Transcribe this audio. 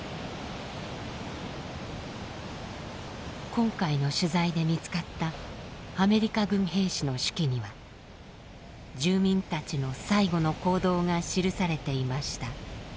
今回の取材で見つかったアメリカ軍兵士の手記には住民たちの最後の行動が記されていました。